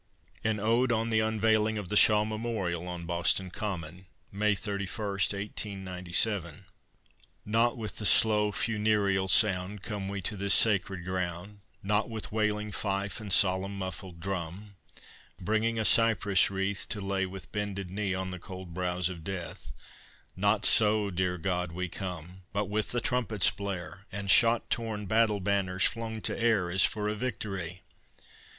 AN ODE ON THE UNVEILING OF THE SHAW MEMORIAL ON BOSTON COMMON May 31, 1897 I Not with slow, funereal sound Come we to this sacred ground; Not with wailing fife and solemn muffled drum, Bringing a cypress wreath To lay, with bended knee, On the cold brows of Death Not so, dear God, we come, But with the trumpets' blare And shot torn battle banners flung to air, As for a victory!